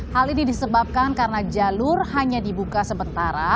hal ini disebabkan karena jalur hanya dibuka sementara